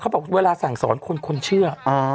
เขาบอกว่าเวลาสั่งสอนคนคงจะเชื่อ